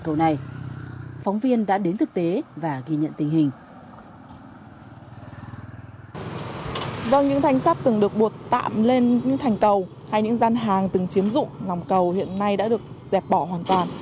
tạm lên thành cầu hay những gian hàng từng chiếm dụng lòng cầu hiện nay đã được dẹp bỏ hoàn toàn